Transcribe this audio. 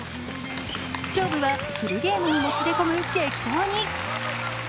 勝負はフルゲームにもつれ込む激闘に。